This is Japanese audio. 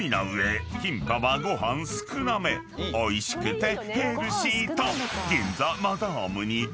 ［おいしくてヘルシーと］